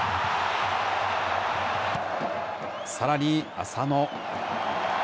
さらに浅野。